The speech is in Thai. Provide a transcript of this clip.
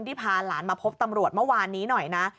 พาหลานมาพบตำรวจเมื่อวานนี้หน่อยนะ